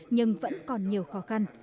nhưng vẫn còn nhiều khó khăn